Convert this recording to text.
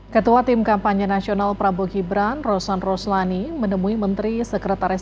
ketua tim kampanye nasional prabowo gibran rosan roslani menemui menteri sekretaris